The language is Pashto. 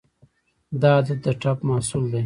دا عادت د ټپ محصول دی.